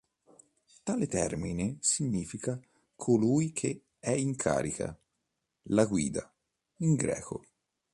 Tale termine significa "colui che è in carica", "la guida" in greco.